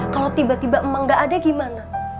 kalau tiba tiba emang gak ada gimana